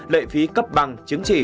lệ phí cấp bằng chứng chỉ